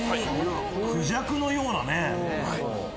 クジャクのようなね。